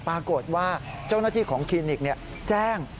ปรากฏว่าเจ้าหน้าที่ของคลินิกแจ้ง